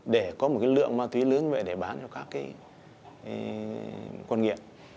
để có một cái lượng mà thúy lớn như vậy để bán cho các cái quân nghiệp